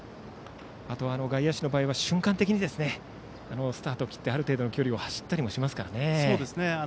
あとは、外野手の場合は瞬間的にスタートを切ってある程度の距離を走ったりもしますからね。